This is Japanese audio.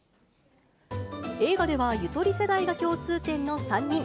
映画では、ゆとり世代が共通点の３人。